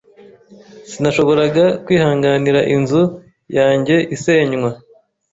Sinashoboraga kwihanganira inzu yanjye isenywa.